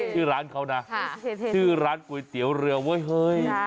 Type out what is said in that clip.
ชื่อร้านเขานะชื่อร้านก๋วยเตี๋ยวเรือเว้ยเฮ้ย